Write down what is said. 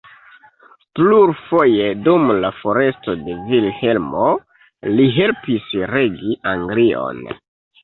Plurfoje dum la foresto de Vilhelmo li helpis regi Anglion.